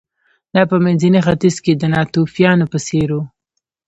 دا په منځني ختیځ کې د ناتوفیانو په څېر و